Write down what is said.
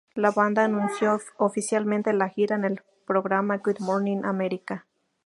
La banda anunció oficialmente la gira en el programa Good Morning America.